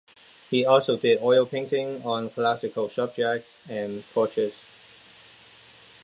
He also did oil paintings on classical subjects, and portraits.